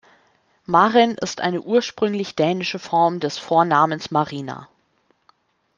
Maren ist eine ursprünglich dänische Form des Vornamens Marina.